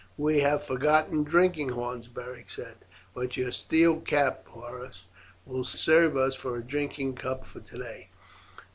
"We have forgotten drinking horns," Beric said, "but your steel cap, Porus, will serve us for a drinking cup for today."